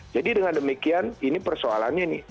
jadi dengan demikian ini persoalannya